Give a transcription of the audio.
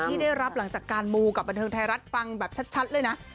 ที่ได้รับหลังจากการมูกับบันเทิงไทยรัฐฟังแบบชัดเลยนะ